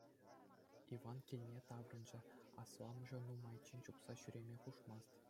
Иван килне таврӑнчӗ: асламӑшӗ нумайччен чупса ҫӳреме хушмасть.